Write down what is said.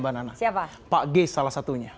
siapa pak gies salah satunya